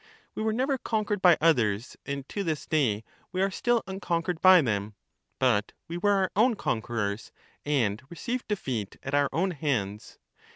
We were never conquered by others, and to this day we are still unconquered by them ; but we were our own conquerors, and received defeat at our own hands.